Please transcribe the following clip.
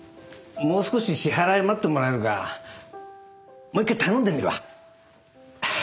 もう少し支払い待ってもらえるかもう一回頼んでみるわ。